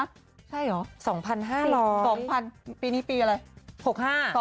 ใช่เหรอ๒๕๐๐๒๐๐ปีนี้ปีอะไร๖๕